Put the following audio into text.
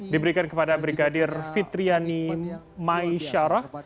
diberikan kepada brigadir fitriani mai syarah